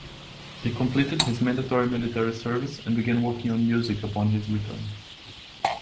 He completed his mandatory military service and began working on music upon his return.